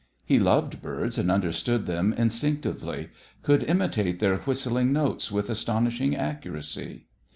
He loved birds and understood them instinctively; could imitate their whistling notes with astonishing accuracy.